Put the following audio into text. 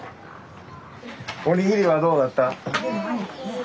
おにぎりはどうだった？